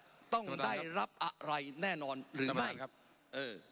ถือมาถึงได้รับอะไรแน่นอนหรือไม่